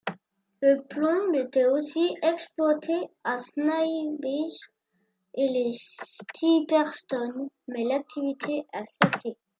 Le plomb était aussi exploité à Snailbeach et les Stiperstones, mais l'activité a cessé.